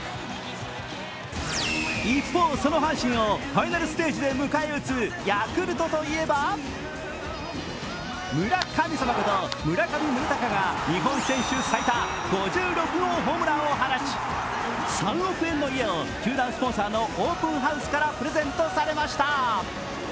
一方その阪神を、ファイナルステージで迎え撃つ、ヤクルトといえば村神様こと村上宗隆が日本選手最多５６号ホームランを放ち、３億円の家を球団スポンサーのオープンハウスからプレゼントされました。